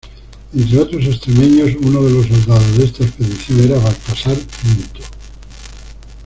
Entre otros extremeños, uno de los soldados de esta expedición era Baltasar Pinto.